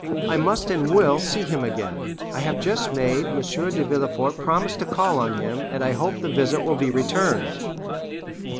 I must and will see him again. I have just made M. de Villefort promise to call on him, and I hope the visit will be returned.